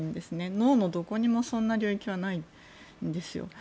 脳のどこにもそんな領域はないんですよ。